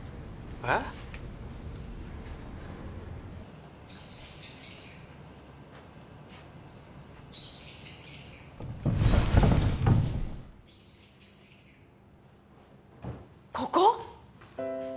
えっここ？